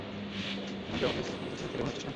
এখন কি আমাকে যথেষ্ট শক্তিশালী মনে হচ্ছে, স্ট্যান?